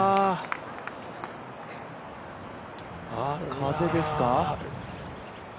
風ですか？